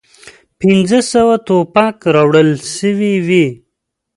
پنځه سوه توپک راوړل سوي وې.